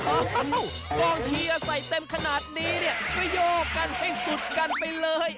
โอ้โหกองเชียร์ใส่เต็มขนาดนี้เนี่ยก็โยกกันให้สุดกันไปเลย